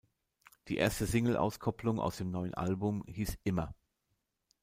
Die erste Singleauskopplung aus dem neuen Album hieß "Immer".